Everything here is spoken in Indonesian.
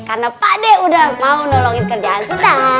karena pak dek udah mau nolongin kerjaan siti